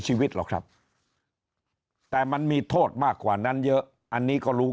ชีวิตหรอกครับแต่มันมีโทษมากกว่านั้นเยอะอันนี้ก็รู้